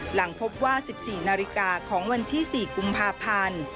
หลังพบว่า๑๔นาฬิกาของวันที่๔กุมภาพันธ์